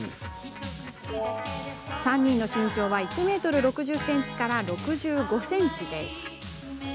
３人の身長は１ｍ６０ｃｍ６５ｃｍです。